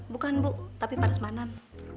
bukan bu tapi panas manan